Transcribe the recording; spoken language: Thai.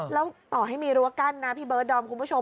แล้วต่อให้มีรั้วกั้นนะพี่เบิร์ดดอมคุณผู้ชม